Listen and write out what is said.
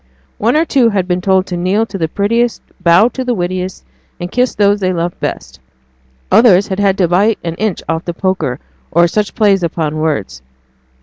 One or two had been told to kneel to the prettiest, bow to the wittiest, and kiss those they loved best; others had had to bite an inch off the poker, or such plays upon words.